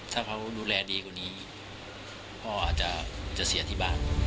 ถ้าเขาดูแลดีกว่านี้พ่ออาจจะเสียที่บ้าน